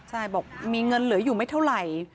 ใช่บอกมีเงินเหลืออยู่ไม่เท่าไหร่